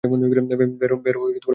বের হও মন্দির থেকে।